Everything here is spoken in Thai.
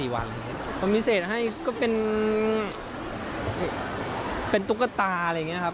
วันพิเศษให้ก็เป็นตุ๊กตาอะไรอย่างนี้ครับ